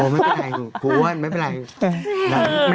อ๋อไม่เป็นไรครูอ้วนไม่เป็นไร